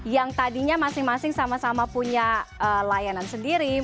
yang tadinya masing masing sama sama punya layanan sendiri